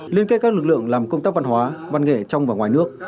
liên kết các lực lượng làm công tác văn hóa văn nghệ trong và ngoài nước